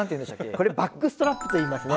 これバックストラップといいますね。